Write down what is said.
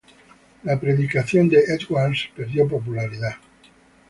La predicación de Edwards perdió popularidad.